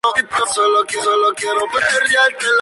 Al agotarse sus municiones se rinden.